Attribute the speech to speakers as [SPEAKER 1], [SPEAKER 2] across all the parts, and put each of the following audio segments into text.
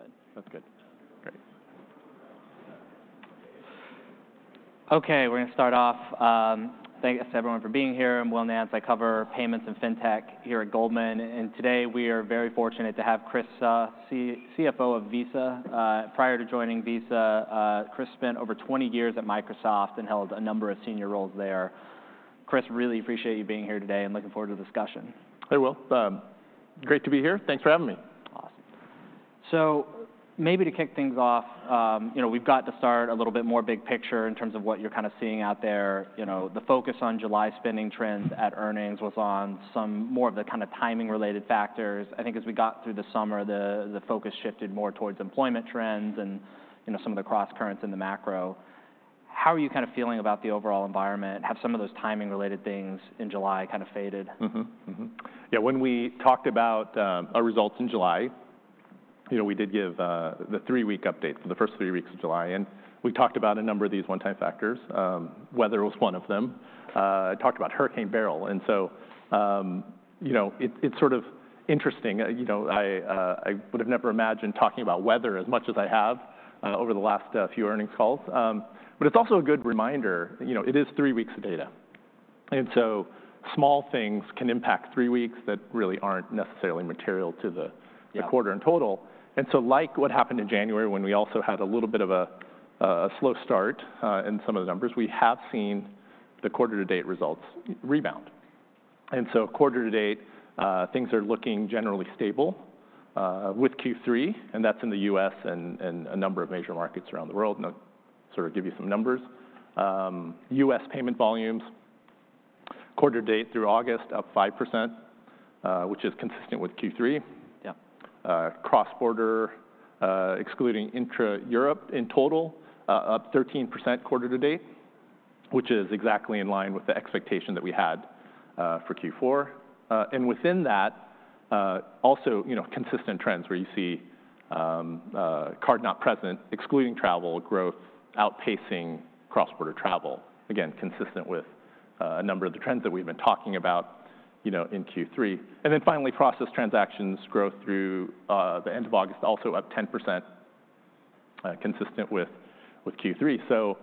[SPEAKER 1] Yeah, good. That's good. Great. Okay, we're gonna start off. Thanks to everyone for being here. I'm Will Nance. I cover payments and fintech here at Goldman, and today we are very fortunate to have Chris, CFO of Visa. Prior to joining Visa, Chris spent over twenty years at Microsoft and held a number of senior roles there. Chris, really appreciate you being here today, and looking forward to the discussion.
[SPEAKER 2] Hey, Will. Great to be here. Thanks for having me.
[SPEAKER 1] Awesome, so maybe to kick things off, you know, we've got to start a little bit more big picture in terms of what you're kind of seeing out there. You know, the focus on July spending trends at earnings was on some more of the kind of timing-related factors. I think as we got through the summer, the focus shifted more towards employment trends and, you know, some of the crosscurrents in the macro. How are you kind of feeling about the overall environment? Have some of those timing-related things in July kind of faded?
[SPEAKER 2] Mm-hmm. Mm-hmm. Yeah, when we talked about our results in July, you know, we did give the three-week update for the first three weeks of July, and we talked about a number of these one-time factors. Weather was one of them. I talked about Hurricane Beryl, and so, you know, it's sort of interesting. You know, I would've never imagined talking about weather as much as I have over the last few earnings calls. But it's also a good reminder, you know, it is three weeks of data, and so small things can impact three weeks that really aren't necessarily material to the-
[SPEAKER 1] Yeah...
[SPEAKER 2] the quarter in total. And so, like what happened in January, when we also had a little bit of a, a slow start, in some of the numbers, we have seen the quarter-to-date results rebound. And so quarter to date, things are looking generally stable, with Q3, and that's in the U.S. and, and a number of major markets around the world. And I'll sort of give you some numbers. U.S. payment volumes, quarter to date through August, up 5%, which is consistent with Q3.
[SPEAKER 1] Yeah.
[SPEAKER 2] Cross-border, excluding intra-Europe in total, up 13% quarter to date, which is exactly in line with the expectation that we had for Q4. And within that, also, you know, consistent trends where you see card not present, excluding travel, growth outpacing cross-border travel, again, consistent with a number of the trends that we've been talking about, you know, in Q3. And then finally, processed transactions growth through the end of August, also up 10%, consistent with Q3. So,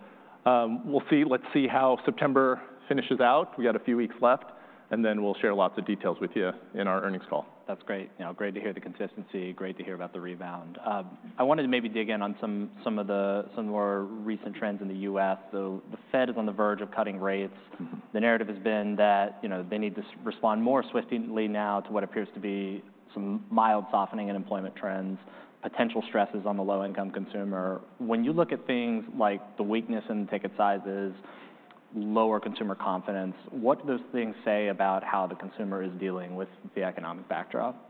[SPEAKER 2] we'll see. Let's see how September finishes out. We've got a few weeks left, and then we'll share lots of details with you in our earnings call.
[SPEAKER 1] That's great. You know, great to hear the consistency, great to hear about the rebound. I wanted to maybe dig in on some of the more recent trends in the U.S. So the Fed is on the verge of cutting rates.
[SPEAKER 2] Mm-hmm.
[SPEAKER 1] The narrative has been that, you know, they need to respond more swiftly now to what appears to be some mild softening in employment trends, potential stresses on the low-income consumer. When you look at things like the weakness in ticket sizes, lower consumer confidence, what do those things say about how the consumer is dealing with the economic backdrop?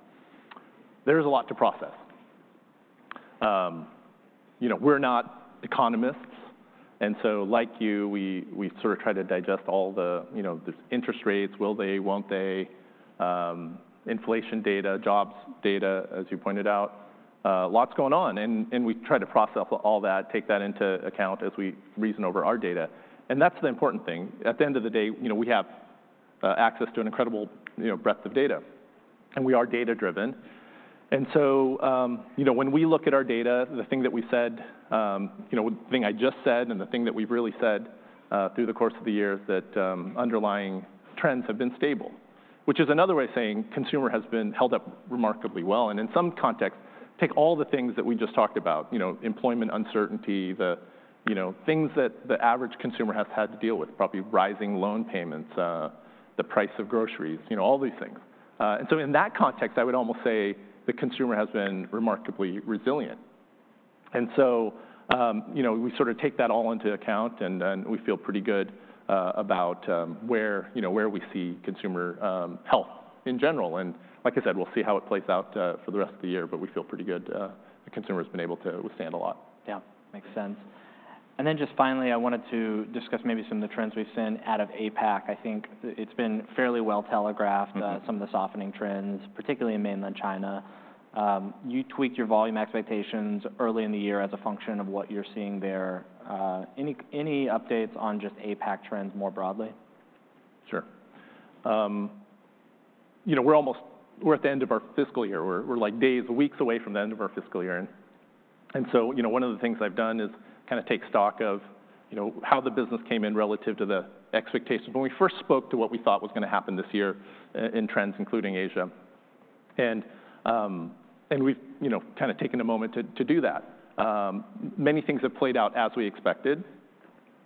[SPEAKER 2] There's a lot to process. You know, we're not economists, and so like you, we sort of try to digest all the, you know, the interest rates, will they, won't they? Inflation data, jobs data, as you pointed out, lots going on, and we try to process all that, take that into account as we reason over our data, and that's the important thing. At the end of the day, you know, we have access to an incredible, you know, breadth of data, and we are data-driven. And so, you know, when we look at our data, the thing that we said, you know, the thing I just said and the thing that we've really said through the course of the year is that underlying trends have been stable, which is another way of saying consumer has been held up remarkably well. And in some contexts, take all the things that we just talked about, you know, employment uncertainty, the, you know, things that the average consumer has had to deal with, probably rising loan payments, the price of groceries, you know, all these things. And so in that context, I would almost say the consumer has been remarkably resilient. And so, you know, we sort of take that all into account, and then we feel pretty good about where, you know, we see consumer health in general. Like I said, we'll see how it plays out for the rest of the year, but we feel pretty good. The consumer's been able to withstand a lot.
[SPEAKER 1] Yeah, makes sense. And then just finally, I wanted to discuss maybe some of the trends we've seen out of APAC. I think it's been fairly well telegraphed-
[SPEAKER 2] Mm-hmm...
[SPEAKER 1] some of the softening trends, particularly in mainland China. You tweaked your volume expectations early in the year as a function of what you're seeing there. Any updates on just APAC trends more broadly?
[SPEAKER 2] Sure. You know, we're at the end of our fiscal year. We're like days, weeks away from the end of our fiscal year, and so you know, one of the things I've done is kind of take stock of you know, how the business came in relative to the expectations when we first spoke to what we thought was gonna happen this year in trends, including Asia, and we've you know, kind of taken a moment to do that. Many things have played out as we expected.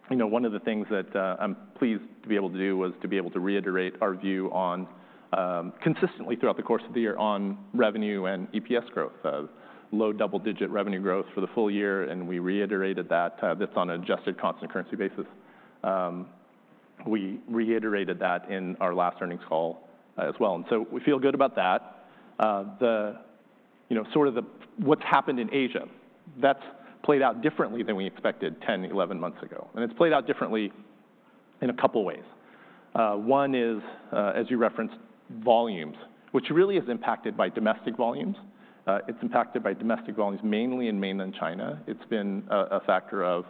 [SPEAKER 2] You know, one of the things that I'm pleased to be able to do was to be able to reiterate our view on consistently throughout the course of the year on revenue and EPS growth, low double-digit revenue growth for the full year, and we reiterated that. That's on an adjusted constant currency basis. We reiterated that in our last earnings call, as well, and so we feel good about that. You know, what's happened in Asia, that's played out differently than we expected 10, 11 months ago, and it's played out differently in a couple ways. One is, as you referenced, volumes, which really is impacted by domestic volumes. It's impacted by domestic volumes mainly in mainland China. It's been a factor of,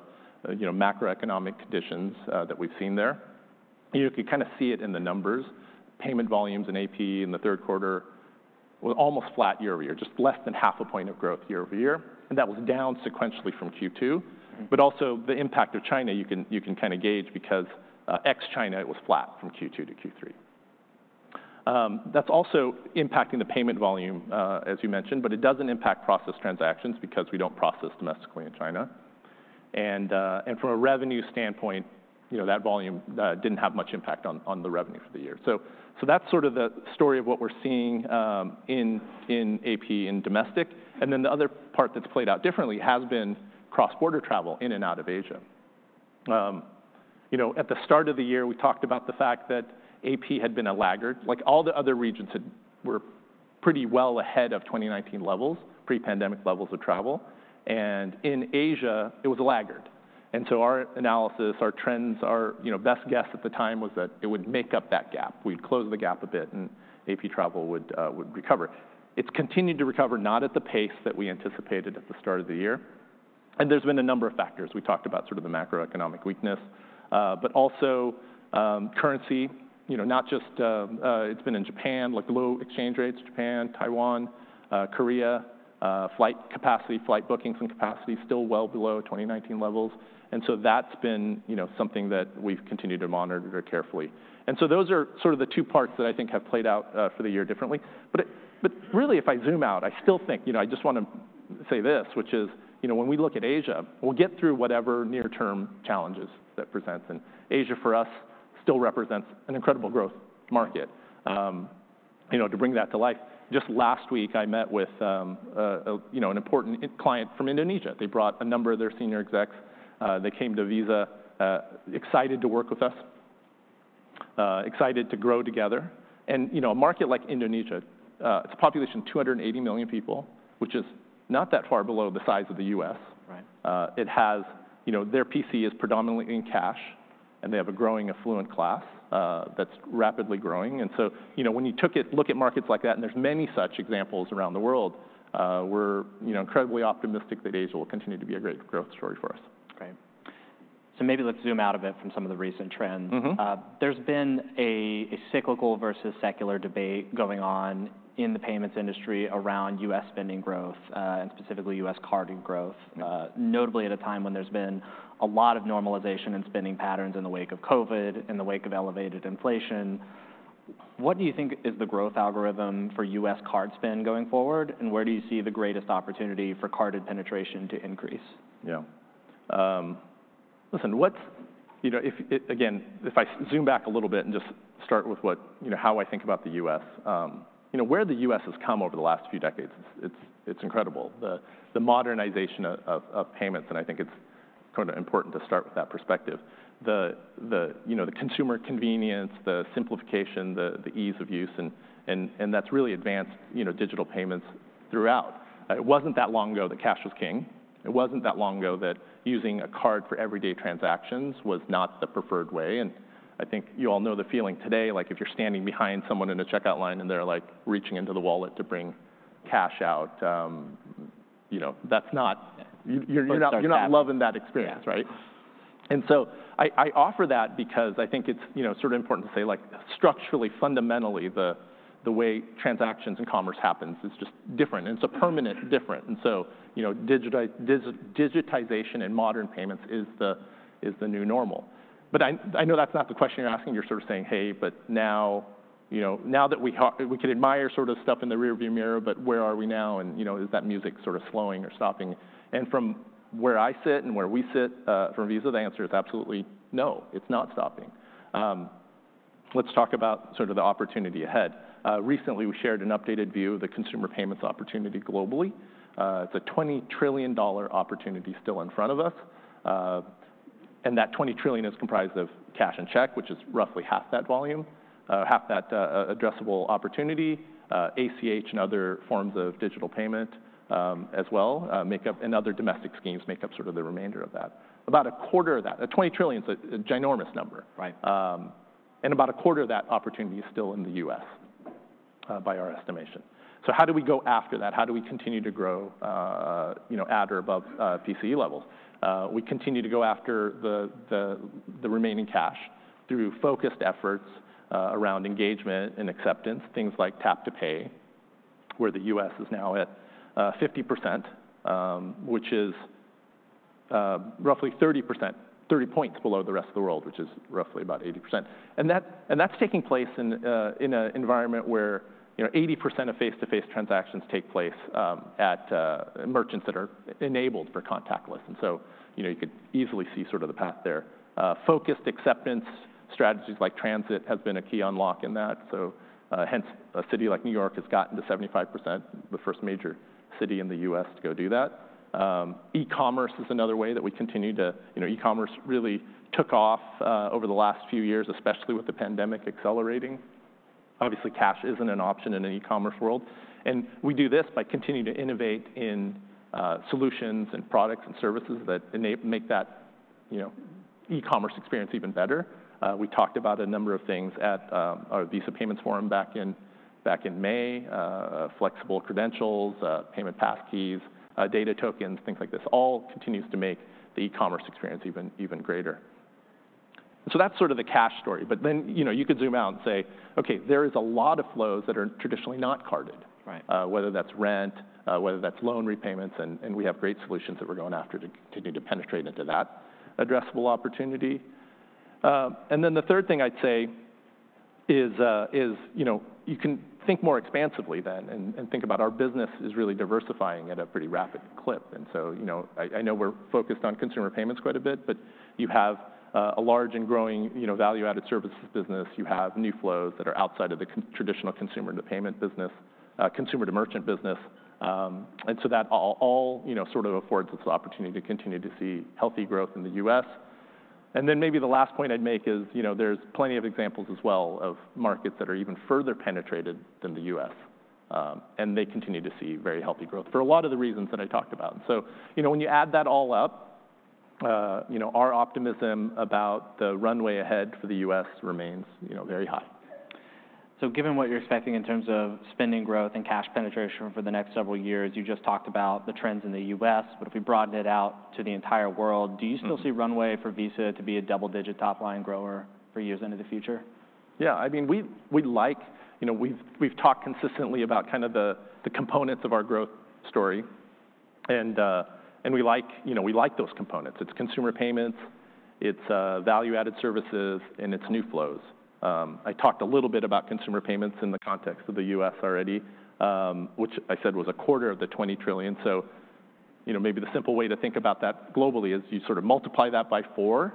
[SPEAKER 2] you know, macroeconomic conditions that we've seen there. You can kind of see it in the numbers. Payment volumes in AP in the third quarter were almost flat year-over-year, just less than half a point of growth year-over-year, and that was down sequentially from Q2. But also, the impact of China, you can kind of gauge because ex-China, it was flat from Q2 to Q3. That's also impacting the payment volume as you mentioned, but it doesn't impact processed transactions because we don't process domestically in China. And from a revenue standpoint, you know, that volume didn't have much impact on the revenue for the year. So that's sort of the story of what we're seeing in AP and domestic. And then the other part that's played out differently has been cross-border travel in and out of Asia. You know, at the start of the year, we talked about the fact that AP had been a laggard. Like, all the other regions were pretty well ahead of 2019 levels, pre-pandemic levels of travel, and in Asia, it was a laggard. Our analysis, our trends, you know, best guess at the time was that it would make up that gap. We'd close the gap a bit, and AP travel would recover. It's continued to recover, not at the pace that we anticipated at the start of the year, and there's been a number of factors. We talked about sort of the macroeconomic weakness, but also, currency, you know, not just... It's been in Japan, like the low exchange rates, Japan, Taiwan, Korea, flight capacity, flight bookings and capacity still well below 2019 levels. That's been, you know, something that we've continued to monitor very carefully. Those are sort of the two parts that I think have played out for the year differently. But really, if I zoom out, I still think, you know, I just wanna say this, which is, you know, when we look at Asia, we'll get through whatever near-term challenges that presents, and Asia, for us, still represents an incredible growth market. You know, to bring that to life, just last week, I met with, you know, an important client from Indonesia. They brought a number of their senior execs. They came to Visa, excited to work with us, excited to grow together. And, you know, a market like Indonesia, it's a population of two hundred and eighty million people, which is not that far below the size of the U.S.
[SPEAKER 1] Right.
[SPEAKER 2] It has, you know, their PCE is predominantly in cash, and they have a growing affluent class that's rapidly growing. So, you know, look at markets like that, and there's many such examples around the world. We're, you know, incredibly optimistic that Asia will continue to be a great growth story for us.
[SPEAKER 1] Right. So maybe let's zoom out a bit from some of the recent trends.
[SPEAKER 2] Mm-hmm.
[SPEAKER 1] There's been a cyclical versus secular debate going on in the payments industry around U.S. spending growth, and specifically U.S. card spending growth-
[SPEAKER 2] Mm-hmm...
[SPEAKER 1] notably at a time when there's been a lot of normalization in spending patterns in the wake of COVID, in the wake of elevated inflation. What do you think is the growth algorithm for U.S. card spend going forward, and where do you see the greatest opportunity for card penetration to increase?
[SPEAKER 2] Yeah. Listen, you know, if I zoom back a little bit and just start with what, you know, how I think about the U.S., you know, where the U.S. has come over the last few decades. It's incredible, the modernization of payments, and I think it's kind of important to start with that perspective. The consumer convenience, the simplification, the ease of use, and that's really advanced digital payments throughout. It wasn't that long ago that cash was king. It wasn't that long ago that using a card for everyday transactions was not the preferred way, and I think you all know the feeling today. Like, if you're standing behind someone in a checkout line, and they're, like, reaching into the wallet to bring cash out, you know, that's not-
[SPEAKER 1] Yeah.
[SPEAKER 2] You're not-
[SPEAKER 1] Let's start that....
[SPEAKER 2] you're not loving that experience-
[SPEAKER 1] Yeah...
[SPEAKER 2] right? And so I offer that because I think it's, you know, sort of important to say, like, structurally, fundamentally, the way transactions and commerce happens is just different, and it's a permanent different. And so, you know, digitization in modern payments is the new normal. But I know that's not the question you're asking. You're sort of saying, "Hey, but now, you know, now that we can admire sort of stuff in the rearview mirror, but where are we now? And, you know, is that music sort of slowing or stopping?" And from where I sit and where we sit, from Visa, the answer is absolutely no, it's not stopping. Let's talk about sort of the opportunity ahead. Recently, we shared an updated view of the consumer payments opportunity globally. It's a $20 trillion opportunity still in front of us, and that $20 trillion is comprised of cash and check, which is roughly half that volume, half that addressable opportunity. ACH and other forms of digital payment, as well, make up, and other domestic schemes make up sort of the remainder of that. About a quarter of that. $20 trillion is a ginormous number.
[SPEAKER 1] Right.
[SPEAKER 2] And about a quarter of that opportunity is still in the U.S., by our estimation. So how do we go after that? How do we continue to grow, you know, at or above, PCE levels? We continue to go after the remaining cash through focused efforts around engagement and acceptance, things like tap-to-pay, where the U.S. is now at 50%, which is roughly 30%, 30 points below the rest of the world, which is roughly about 80%. And that's taking place in an environment where, you know, 80% of face-to-face transactions take place at merchants that are enabled for contactless. And so, you know, you could easily see sort of the path there. Focused acceptance strategies like transit has been a key unlock in that, so hence a city like New York has gotten to 75%, the first major city in the U.S. to go do that. E-commerce is another way that we continue to... You know, e-commerce really took off over the last few years, especially with the pandemic accelerating. Obviously, cash isn't an option in an e-commerce world, and we do this by continuing to innovate in solutions and products and services that make that, you know, e-commerce experience even better. We talked about a number of things at our Visa Payments Forum back in May, flexible credentials, payment passkeys, data tokens, things like this. All continues to make the e-commerce experience even greater. So that's sort of the cash story, but then, you know, you could zoom out and say, "Okay, there is a lot of flows that are traditionally not carded.
[SPEAKER 1] Right.
[SPEAKER 2] Whether that's rent, whether that's loan repayments, and we have great solutions that we're going after to continue to penetrate into that addressable opportunity. Then the third thing I'd say is, you know, you can think more expansively then and think about our business as really diversifying at a pretty rapid clip. You know, I know we're focused on consumer payments quite a bit, but you have a large and growing, you know, value-added services business. You have new flows that are outside of the traditional consumer to payment business, consumer to merchant business. And so that all, you know, sort of affords us the opportunity to continue to see healthy growth in the U.S. And then maybe the last point I'd make is, you know, there's plenty of examples as well of markets that are even further penetrated than the U.S., and they continue to see very healthy growth for a lot of the reasons that I talked about. So, you know, when you add that all up, you know, our optimism about the runway ahead for the U.S. remains, you know, very high.
[SPEAKER 1] So given what you're expecting in terms of spending growth and cash penetration for the next several years, you just talked about the trends in the U.S., but if we broaden it out to the entire world-
[SPEAKER 2] Mm...
[SPEAKER 1] do you still see runway for Visa to be a double-digit top-line grower for years into the future?
[SPEAKER 2] Yeah, I mean, we'd like. You know, we've talked consistently about kind of the components of our growth story, and we like, you know, we like those components. It's consumer payments, it's value-added services, and it's new flows. I talked a little bit about consumer payments in the context of the U.S. already, which I said was a quarter of the $20 trillion. So, you know, maybe the simple way to think about that globally is you sort of multiply that by four,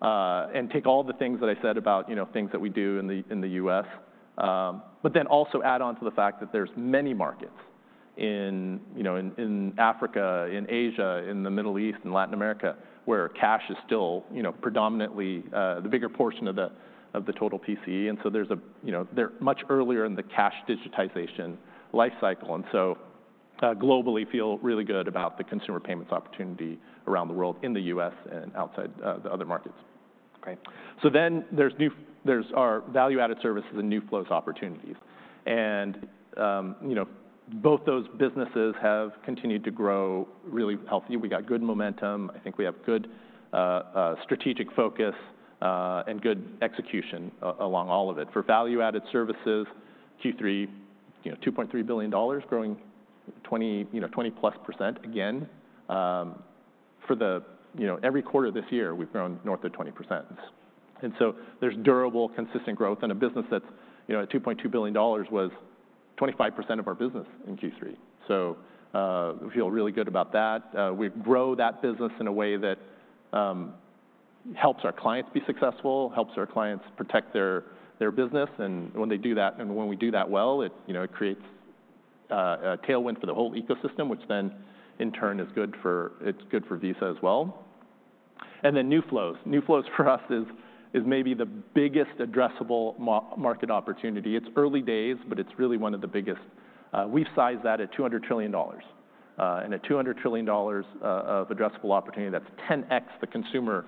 [SPEAKER 2] and take all the things that I said about, you know, things that we do in the U.S., but then also add on to the fact that there's many markets in you know in Africa, in Asia, in the Middle East, and Latin America, where cash is still, you know, predominantly the bigger portion of the total PCE. And so there's you know they're much earlier in the cash digitization life cycle, and so globally feel really good about the consumer payments opportunity around the world, in the U.S., and outside the other markets.
[SPEAKER 1] Okay.
[SPEAKER 2] So then there's our value-added services and new flows opportunities. And, you know, both those businesses have continued to grow really healthy. We got good momentum. I think we have good strategic focus and good execution along all of it. For value-added services, Q3, you know, $2.3 billion, growing 20, you know, 20-plus% again. For the... You know, every quarter this year, we've grown north of 20%. And so there's durable, consistent growth in a business that's, you know, at $2.2 billion was 25% of our business in Q3. So, we feel really good about that. We grow that business in a way that helps our clients be successful, helps our clients protect their business, and when they do that, and when we do that well, it, you know, it creates a tailwind for the whole ecosystem, which then in turn is good for, it's good for Visa as well, and then new flows. New flows for us is maybe the biggest addressable market opportunity. It's early days, but it's really one of the biggest. We've sized that at $200 trillion. And at $200 trillion of addressable opportunity, that's ten x the consumer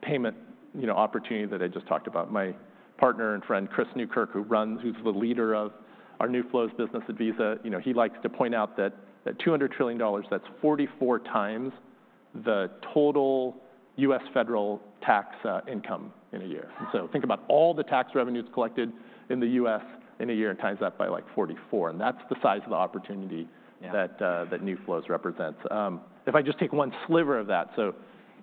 [SPEAKER 2] payment, you know, opportunity that I just talked about. My partner and friend, Chris Newkirk, who's the leader of our new flows business at Visa, you know, he likes to point out that $200 trillion, that's 44 times the total US federal tax income in a year. So think about all the tax revenues collected in the U.S. in a year and times that by, like, 44, and that's the size of the opportunity-
[SPEAKER 1] Yeah...
[SPEAKER 2] that new flows represents. If I just take one sliver of that, so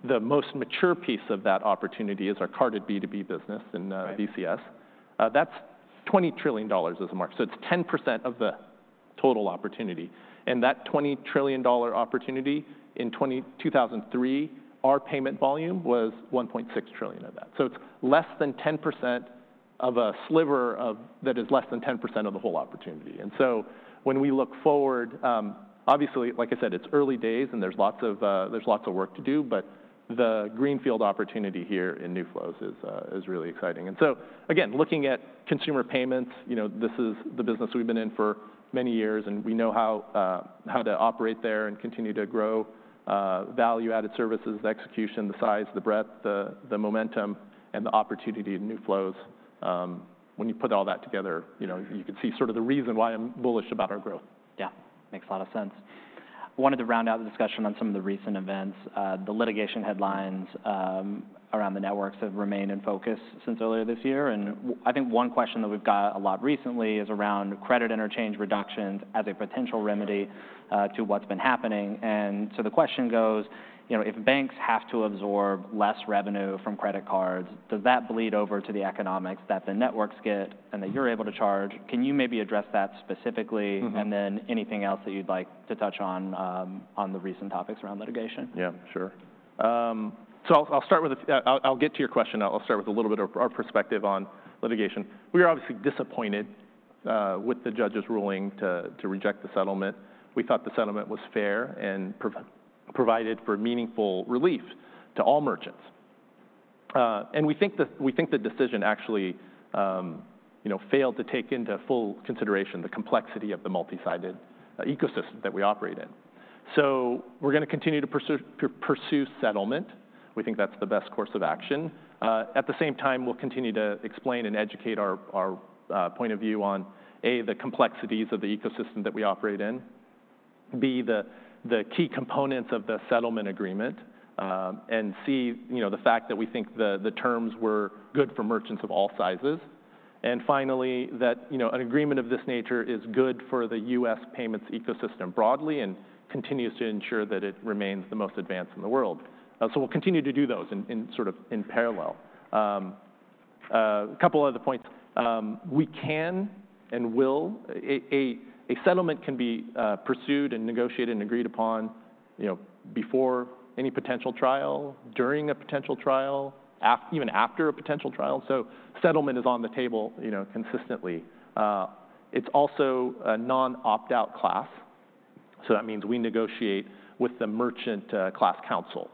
[SPEAKER 2] the most mature piece of that opportunity is our carded B2B business in,
[SPEAKER 1] Right...
[SPEAKER 2] VCS. That's $20 trillion as a market, so it's 10% of the total opportunity. And that $20 trillion opportunity, in 2023, our payment volume was $1.6 trillion of that. So it's less than 10% of a sliver of... That is less than 10% of the whole opportunity. And so when we look forward, obviously, like I said, it's early days, and there's lots of work to do, but the greenfield opportunity here in new flows is really exciting. And so again, looking at consumer payments, you know, this is the business we've been in for many years, and we know how to operate there and continue to grow value-added services, the execution, the size, the breadth, the momentum, and the opportunity of new flows. When you put all that together, you know, you can see sort of the reason why I'm bullish about our growth.
[SPEAKER 1] Yeah. Makes a lot of sense. I wanted to round out the discussion on some of the recent events. The litigation headlines around the networks have remained in focus since earlier this year, and I think one question that we've got a lot recently is around credit interchange reductions as a potential remedy to what's been happening. And so the question goes, you know, if banks have to absorb less revenue from credit cards, does that bleed over to the economics that the networks get and that you're able to charge? Can you maybe address that specifically?
[SPEAKER 2] Mm-hmm.
[SPEAKER 1] And then anything else that you'd like to touch on, on the recent topics around litigation?
[SPEAKER 2] Yeah, sure. So I'll get to your question. I'll start with a little bit of our perspective on litigation. We are obviously disappointed with the judge's ruling to reject the settlement. We thought the settlement was fair and provided for meaningful relief to all merchants. And we think the decision actually, you know, failed to take into full consideration the complexity of the multi-sided ecosystem that we operate in. So we're gonna continue to pursue settlement. We think that's the best course of action. At the same time, we'll continue to explain and educate our point of view on, A, the complexities of the ecosystem that we operate in. B, the key components of the settlement agreement, and C, you know, the fact that we think the terms were good for merchants of all sizes. And finally, that, you know, an agreement of this nature is good for the U.S. payments ecosystem broadly and continues to ensure that it remains the most advanced in the world. So we'll continue to do those in sort of parallel. A couple other points. We can and will, a settlement can be pursued and negotiated and agreed upon, you know, before any potential trial, during a potential trial, even after a potential trial. So settlement is on the table, you know, consistently. It's also a non-opt-out class, so that means we negotiate with the merchant class counsel.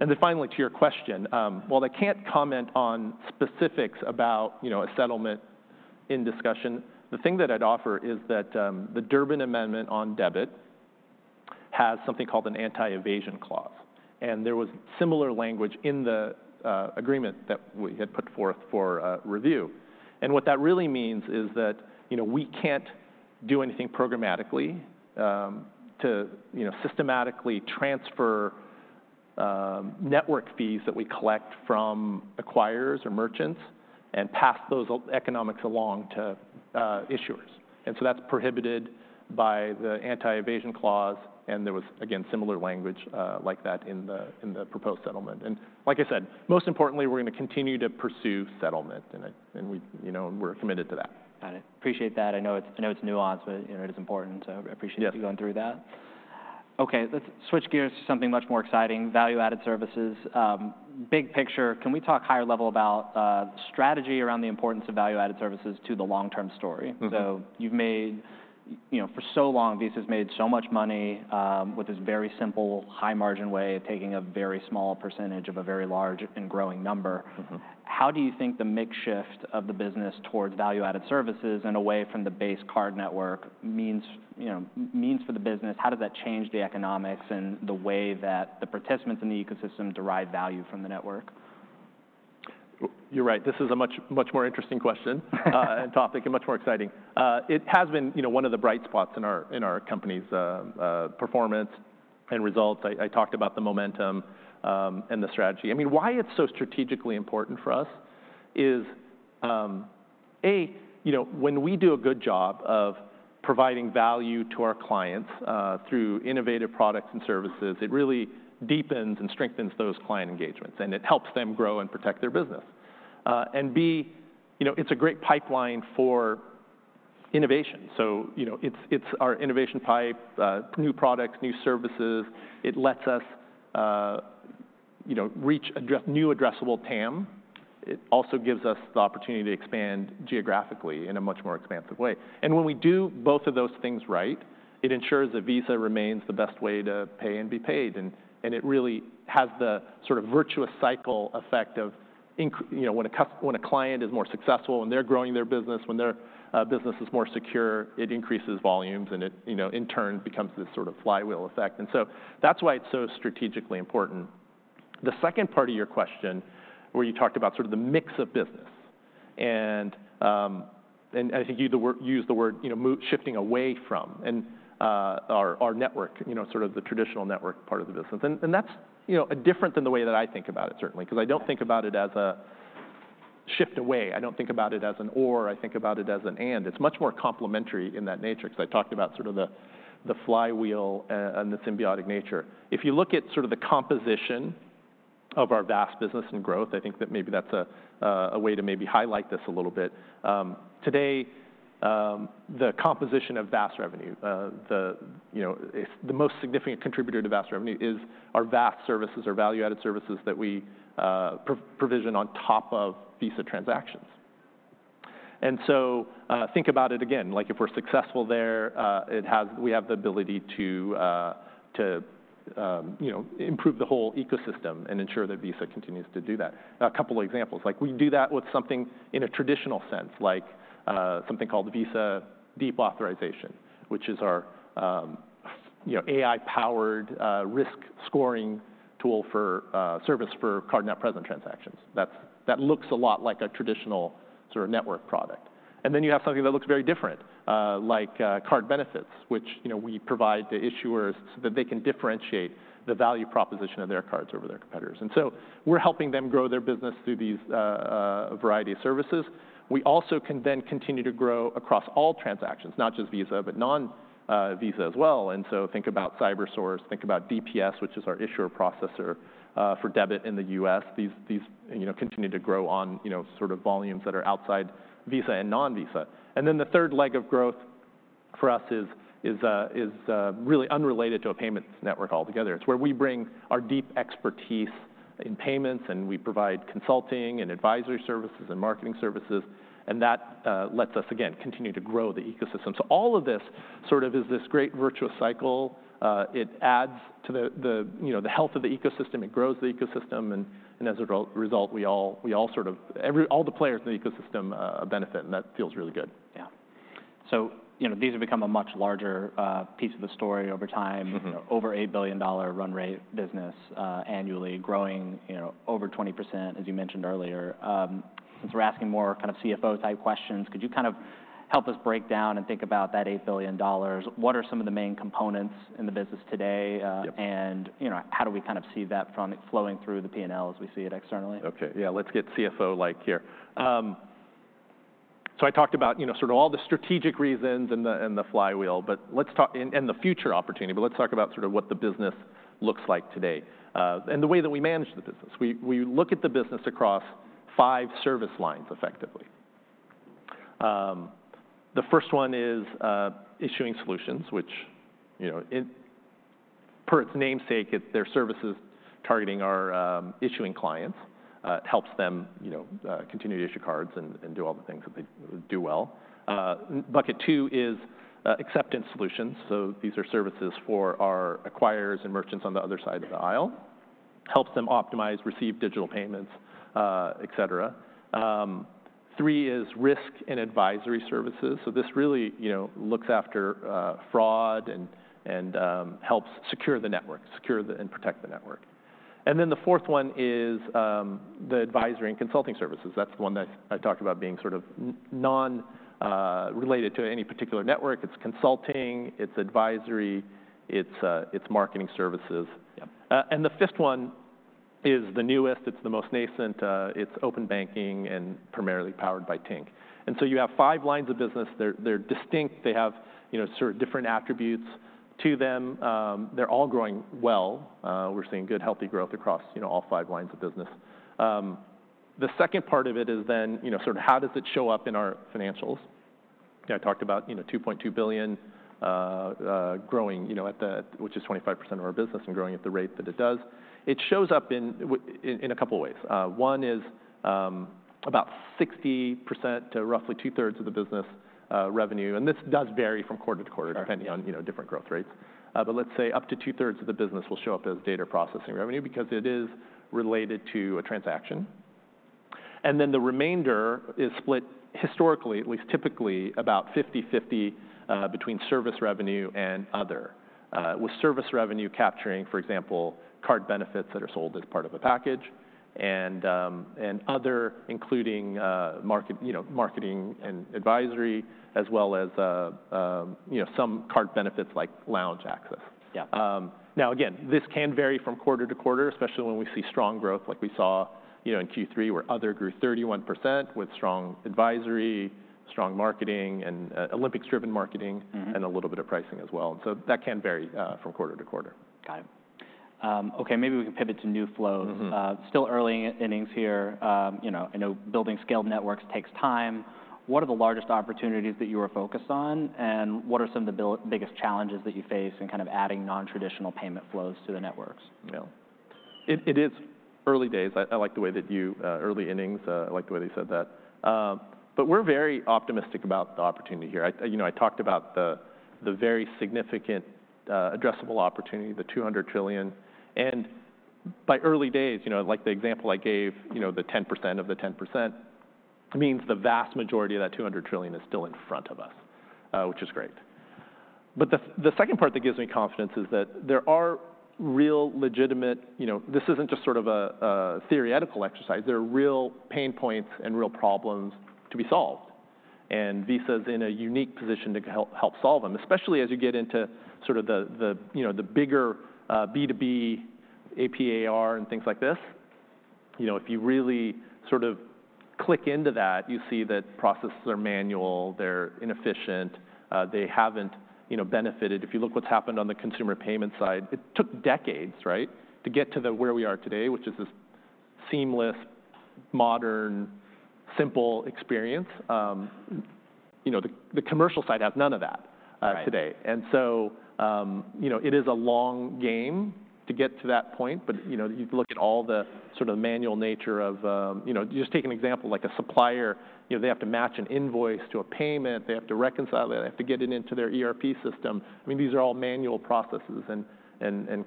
[SPEAKER 2] And then finally, to your question, while I can't comment on specifics about, you know, a settlement in discussion, the thing that I'd offer is that, the Durbin Amendment on debit has something called an anti-evasion clause, and there was similar language in the agreement that we had put forth for review. And what that really means is that, you know, we can't do anything programmatically to, you know, systematically transfer network fees that we collect from acquirers or merchants and pass those economics along to issuers. And so that's prohibited by the anti-evasion clause, and there was, again, similar language like that in the proposed settlement. And like I said, most importantly, we're gonna continue to pursue settlement, and we, you know, we're committed to that.
[SPEAKER 1] Got it. Appreciate that. I know it's nuanced, but, you know, it is important, so I appreciate you-
[SPEAKER 2] Yep...
[SPEAKER 1] going through that. Okay, let's switch gears to something much more exciting, value-added services. Big picture, can we talk higher level about strategy around the importance of value-added services to the long-term story?
[SPEAKER 2] Mm-hmm.
[SPEAKER 1] You've made, you know, for so long, Visa's made so much money with this very simple, high-margin way of taking a very small percentage of a very large and growing number.
[SPEAKER 2] Mm-hmm.
[SPEAKER 1] How do you think the mix shift of the business towards value-added services and away from the base card network means, you know, means for the business? How does that change the economics and the way that the participants in the ecosystem derive value from the network?
[SPEAKER 2] You're right. This is a much, much more interesting question, and topic, and much more exciting. It has been, you know, one of the bright spots in our, in our company's, performance and results. I talked about the momentum, and the strategy. I mean, why it's so strategically important for us is, A, you know, when we do a good job of providing value to our clients, through innovative products and services, it really deepens and strengthens those client engagements, and it helps them grow and protect their business. And B, you know, it's a great pipeline for innovation. So, you know, it's, it's our innovation pipe, new products, new services. It lets us, you know, reach new addressable TAM. It also gives us the opportunity to expand geographically in a much more expansive way. And when we do both of those things right, it ensures that Visa remains the best way to pay and be paid, and it really has the sort of virtuous cycle effect you know, when a client is more successful, when they're growing their business, when their business is more secure, it increases volumes, and it you know, in turn, becomes this sort of flywheel effect, and so that's why it's so strategically important. The second part of your question, where you talked about sort of the mix of business, and I think you used the word, you know, shifting away from, and our network, you know, sort of the traditional network part of the business. That's you know different than the way that I think about it, certainly-
[SPEAKER 1] Yeah
[SPEAKER 2] 'Cause I don't think about it as a shift away. I don't think about it as an or. I think about it as an and. It's much more complementary in that nature, 'cause I talked about the flywheel and the symbiotic nature. If you look at the composition of our VAS business and growth, I think that maybe that's a way to maybe highlight this a little bit. Today, the composition of VAS revenue, you know, it's the most significant contributor to VAS revenue is our VAS services or value-added services that we provision on top of Visa transactions. And so, think about it again. Like, if we're successful there, we have the ability to you know, improve the whole ecosystem and ensure that Visa continues to do that. Now, a couple of examples. Like, we do that with something in a traditional sense, like, something called Visa Deep Authorization, which is our you know, AI-powered risk-scoring tool for card-not-present transactions. That looks a lot like a traditional sort of network product. And then you have something that looks very different, like, card benefits, which you know, we provide the issuers so that they can differentiate the value proposition of their cards over their competitors. And so we're helping them grow their business through these variety of services. We also can then continue to grow across all transactions, not just Visa, but non-Visa as well, and so think about CyberSource, think about DPS, which is our issuer-processor for debit in the U.S. These you know continue to grow on, you know, sort of volumes that are outside Visa and non-Visa. And then the third leg of growth for us is really unrelated to a payments network altogether. It's where we bring our deep expertise in payments, and we provide consulting and advisory services and marketing services, and that lets us, again, continue to grow the ecosystem. So all of this sort of is this great virtuous cycle. It adds to the, you know, the health of the ecosystem. It grows the ecosystem, and as a result, we all sort of all the players in the ecosystem benefit, and that feels really good.
[SPEAKER 1] You know, these have become a much larger piece of the story over time.
[SPEAKER 2] Mm-hmm.
[SPEAKER 1] You know, over $8 billion run rate business, annually growing, you know, over 20%, as you mentioned earlier. Since we're asking more kind of CFO-type questions, could you kind of help us break down and think about that $8 billion? What are some of the main components in the business today?
[SPEAKER 2] Yep
[SPEAKER 1] You know, how do we kind of see that from it flowing through the P&L as we see it externally?
[SPEAKER 2] Okay. Yeah, let's get CFO-like here. So I talked about, you know, sort of all the strategic reasons and the, and the flywheel, but let's talk about sort of what the business looks like today, and the way that we manage the business. We look at the business across five service lines, effectively. The first one is issuing solutions, which, you know, per its namesake, they're services targeting our issuing clients. Bucket two is acceptance solutions, so these are services for our acquirers and merchants on the other side of the aisle. Helps them optimize, receive digital payments, et cetera. Three is risk and advisory services, so this really, you know, looks after fraud and helps secure the network, secure and protect the network. And then the fourth one is the advisory and consulting services. That's the one that I talked about being sort of non related to any particular network. It's consulting, it's advisory, it's marketing services.
[SPEAKER 1] Yep.
[SPEAKER 2] And the fifth one is the newest. It's the most nascent. It's open banking, and primarily powered by Tink. And so you have five lines of business. They're distinct. They have, you know, sort of different attributes to them. They're all growing well. We're seeing good, healthy growth across, you know, all five lines of business. The second part of it is then, you know, sort of how does it show up in our financials? I talked about, you know, $2.2 billion, growing, you know, at the, which is 25% of our business, and growing at the rate that it does. It shows up in a couple ways. One is about 60% to roughly two-thirds of the business revenue, and this does vary from quarter to quarter.
[SPEAKER 1] Okay...
[SPEAKER 2] depending on, you know, different growth rates. But let's say up to two-thirds of the business will show up as data processing revenue because it is related to a transaction, and then the remainder is split, historically, at least typically, about fifty-fifty, between service revenue and other, with service revenue capturing, for example, card benefits that are sold as part of a package, and, and other including, market- you know, marketing and advisory, as well as, you know, some card benefits, like lounge access.
[SPEAKER 1] Yeah.
[SPEAKER 2] Now, again, this can vary from quarter to quarter, especially when we see strong growth like we saw, you know, in Q3, where other grew 31% with strong advisory, strong marketing, and Olympics-driven marketing-
[SPEAKER 1] Mm-hmm...
[SPEAKER 2] and a little bit of pricing as well, and so that can vary, from quarter to quarter.
[SPEAKER 1] Got it. Okay, maybe we can pivot to new flows.
[SPEAKER 2] Mm-hmm.
[SPEAKER 1] Still early innings here, you know, I know building scaled networks takes time. What are the largest opportunities that you are focused on, and what are some of the biggest challenges that you face in kind of adding non-traditional payment flows to the networks?
[SPEAKER 2] Yeah. It is early days. I like the way that you early innings. I like the way that you said that. But we're very optimistic about the opportunity here. I you know, I talked about the very significant addressable opportunity, the $200 trillion, and by early days, you know, like the example I gave, you know, the 10% of the 10% means the vast majority of that $200 trillion is still in front of us, which is great. But the second part that gives me confidence is that there are real legitimate. You know, this isn't just sort of a theoretical exercise. There are real pain points and real problems to be solved, and Visa's in a unique position to help solve them, especially as you get into sort of the bigger B2B, AP/AR, and things like this. You know, if you really sort of click into that, you see that processes are manual, they're inefficient, they haven't benefited. If you look at what's happened on the consumer payment side, it took decades, right? To get to where we are today, which is this seamless, modern, simple experience. You know, the commercial side has none of that.
[SPEAKER 1] Right...
[SPEAKER 2] today, and so, you know, it is a long game to get to that point, but, you know, you look at all the sort of manual nature of... You know, just take an example, like a supplier, you know, they have to match an invoice to a payment. They have to reconcile it. They have to get it into their ERP system. I mean, these are all manual processes, and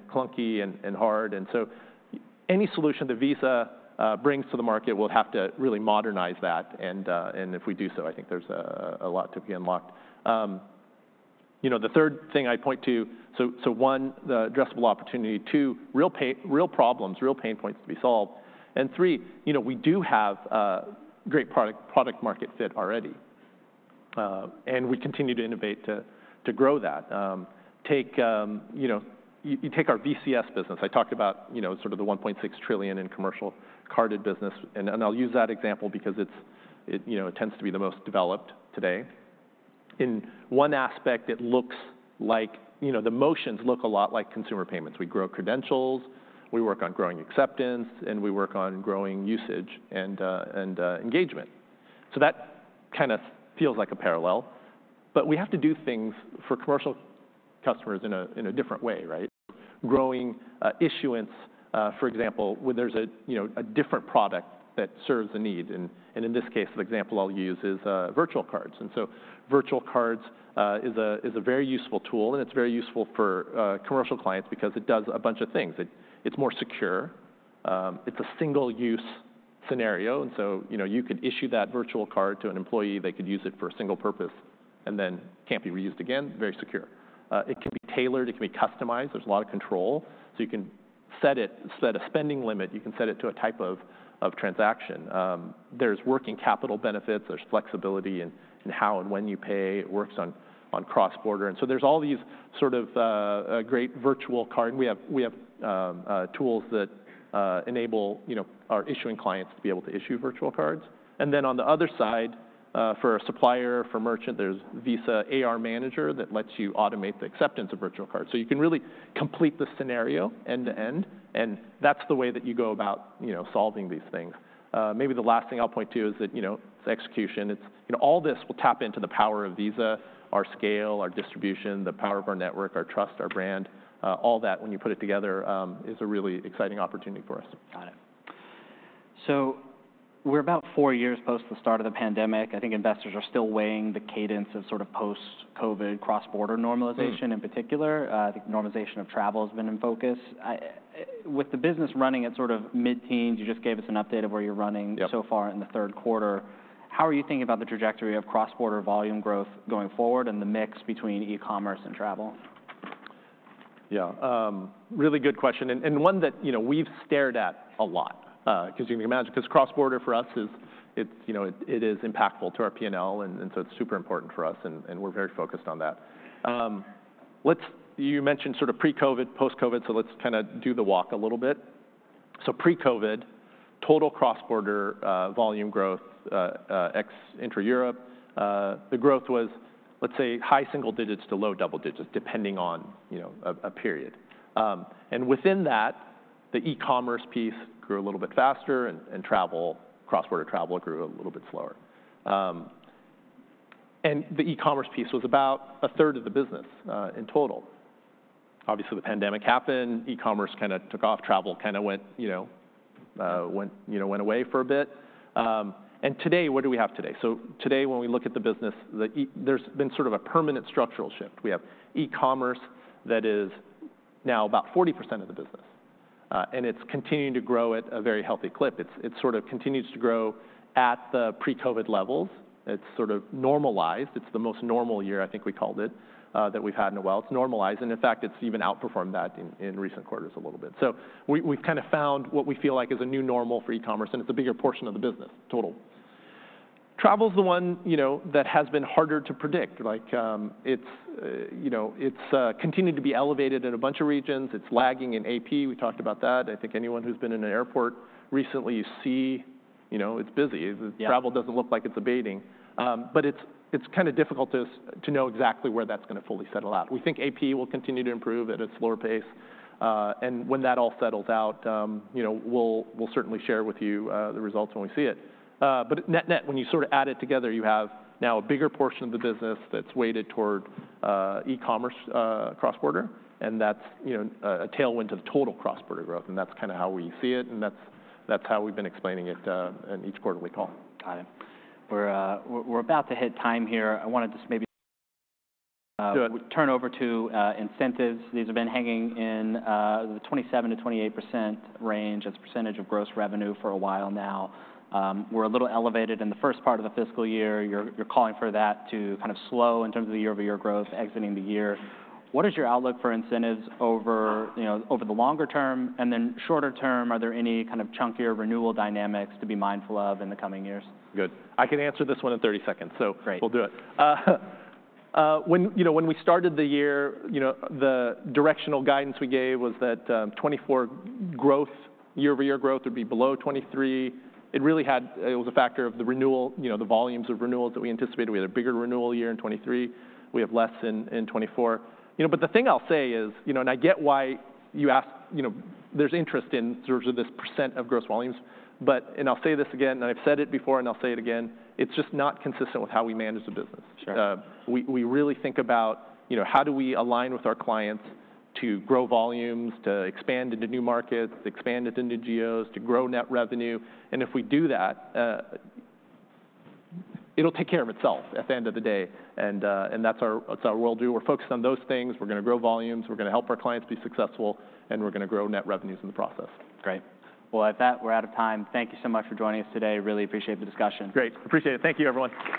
[SPEAKER 2] clunky, and hard, and so any solution that Visa brings to the market will have to really modernize that, and if we do so, I think there's a lot to be unlocked. You know, the third thing I'd point to, so, one, the addressable opportunity. Two, real problems, real pain points to be solved. And three, you know, we do have great product, product market fit already, and we continue to innovate to grow that. Take, you know, you take our VCS business. I talked about, you know, sort of the one point six trillion in commercial carded business, and I'll use that example because it's, you know, it tends to be the most developed today. In one aspect, it looks like, you know, the motions look a lot like consumer payments. We grow credentials, we work on growing acceptance, and we work on growing usage and engagement. So that kind of feels like a parallel, but we have to do things for commercial customers in a different way, right? Growing issuance, for example, when there's a you know a different product that serves a need, and in this case, the example I'll use is virtual cards. And so virtual cards is a very useful tool, and it's very useful for commercial clients because it does a bunch of things. It, it's more secure. It's a single-use scenario, and so you know you could issue that virtual card to an employee, they could use it for a single purpose, and then can't be reused again, very secure. It can be tailored, it can be customized. There's a lot of control, so you can set it, set a spending limit, you can set it to a type of transaction. There's working capital benefits, there's flexibility in how and when you pay. It works on cross-border, and so there's all these sort of a great virtual card. We have tools that enable, you know, our issuing clients to be able to issue virtual cards. And then on the other side, for a supplier, for merchant, there's Visa AR Manager that lets you automate the acceptance of virtual cards. So you can really complete the scenario end to end, and that's the way that you go about, you know, solving these things. Maybe the last thing I'll point to is that, you know, it's execution. It's... You know, all this will tap into the power of Visa, our scale, our distribution, the power of our network, our trust, our brand. All that, when you put it together, is a really exciting opportunity for us.
[SPEAKER 1] Got it. So we're about four years post the start of the pandemic. I think investors are still weighing the cadence of sort of post-COVID cross-border normalization-
[SPEAKER 2] Mm.
[SPEAKER 1] -in particular. The normalization of travel has been in focus. I, with the business running at sort of mid-teens, you just gave us an update of where you're running-
[SPEAKER 2] Yep...
[SPEAKER 1] so far in the third quarter. How are you thinking about the trajectory of cross-border volume growth going forward and the mix between e-commerce and travel?
[SPEAKER 2] Yeah, really good question, and one that, you know, we've stared at a lot, 'cause you can imagine, 'cause cross-border for us is, it's, you know, it is impactful to our P&L, and so it's super important for us, and we're very focused on that. Let's, you mentioned sort of pre-COVID, post-COVID, so let's kind of do the walk a little bit. So pre-COVID, total cross-border volume growth, ex intra-Europe, the growth was, let's say, high single digits to low double digits, depending on, you know, a period. And within that, the e-commerce piece grew a little bit faster, and travel, cross-border travel grew a little bit slower. And the e-commerce piece was about a third of the business in total. Obviously, the pandemic happened, e-commerce kind of took off, travel kind of went, you know, away for a bit, and today, what do we have today? So today, when we look at the business, there's been sort of a permanent structural shift. We have e-commerce that is now about 40% of the business, and it's continuing to grow at a very healthy clip. It sort of continues to grow at the pre-COVID levels. It's sort of normalized. It's the most normal year, I think we called it, that we've had in a while. It's normalized, and in fact, it's even outperformed that in recent quarters a little bit. So we've kind of found what we feel like is a new normal for e-commerce, and it's a bigger portion of the business, total. Travel's the one, you know, that has been harder to predict. Like, it's, you know, it's continuing to be elevated in a bunch of regions. It's lagging in AP. We talked about that. I think anyone who's been in an airport recently, you see, you know, it's busy.
[SPEAKER 1] Yeah.
[SPEAKER 2] Travel doesn't look like it's abating, but it's kind of difficult to know exactly where that's gonna fully settle out. We think AP will continue to improve at its lower pace, and when that all settles out, you know, we'll certainly share with you the results when we see it, but net-net, when you sort of add it together, you have now a bigger portion of the business that's weighted toward e-commerce, cross-border, and that's, you know, a tailwind to the total cross-border growth, and that's kind of how we see it, and that's how we've been explaining it in each quarterly call.
[SPEAKER 1] Got it. We're about to hit time here. I wanna just maybe -
[SPEAKER 2] Sure...
[SPEAKER 1] turn over to incentives. These have been hanging in the 27%-28% range as a percentage of gross revenue for a while now. We're a little elevated in the first part of the fiscal year. You're calling for that to kind of slow in terms of the year-over-year growth exiting the year. What is your outlook for incentives over, you know, over the longer term, and then shorter term, are there any kind of chunkier renewal dynamics to be mindful of in the coming years?
[SPEAKER 2] Good. I can answer this one in thirty seconds, so-
[SPEAKER 1] Great...
[SPEAKER 2] we'll do it. When, you know, when we started the year, you know, the directional guidance we gave was that 2024 growth, year-over-year growth would be below twenty-three. It really had... It was a factor of the renewal, you know, the volumes of renewals that we anticipated. We had a bigger renewal year in 2023. We have less in 2024. You know, but the thing I'll say is, you know, and I get why you ask, you know, there's interest in sort of this percent of gross volumes, but, and I'll say this again, and I've said it before, and I'll say it again, it's just not consistent with how we manage the business.
[SPEAKER 1] Sure.
[SPEAKER 2] We really think about, you know, how do we align with our clients to grow volumes, to expand into new markets, expand into new geos, to grow net revenue, and if we do that, it'll take care of itself at the end of the day, and that's our world view. We're focused on those things. We're gonna grow volumes, we're gonna help our clients be successful, and we're gonna grow net revenues in the process.
[SPEAKER 1] Great. Well, at that, we're out of time. Thank you so much for joining us today. Really appreciate the discussion.
[SPEAKER 2] Great. Appreciate it. Thank you, everyone.